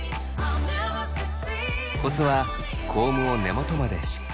コツはコームを根元までしっかりおろすこと。